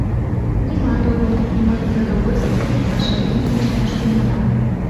— Нимат огыл, мый продовольственный паша дене ышташ тӱҥалам.